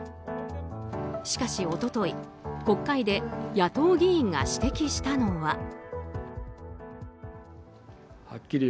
しかし、一昨日国会で野党議員が指摘したのは。